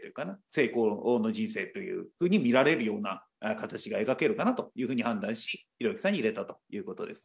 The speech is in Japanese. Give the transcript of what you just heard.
成功の人生という風に見られるような形が描けるかなという風に判断しひろゆきさんに入れたという事です。